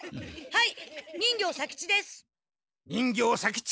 はい！